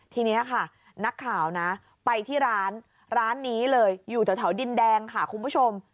ทีนี้ค่ะนักข่าวนะไปที่ร้านร้านนี้เลยอยู่แถวดินแดงค่ะคุณผู้ชม